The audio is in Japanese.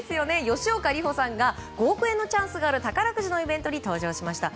吉岡里帆さんが５億円のチャンスのある宝くじのイベントに登場しました。